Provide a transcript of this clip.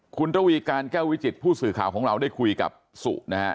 คุณระวีการแก้ววิจิตผู้สื่อข่าวของเราได้คุยกับสุนะฮะ